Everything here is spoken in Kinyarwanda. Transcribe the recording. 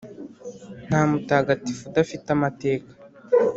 nta mutagatifu udafite amateka,